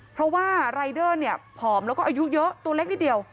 เพราะว่ารายเดอร์เนี่ยผอมแล้วก็อายุเยอะตัวเล็กนิดเดียว